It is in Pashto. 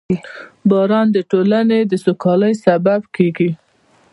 • باران د ټولنې د سوکالۍ سبب کېږي.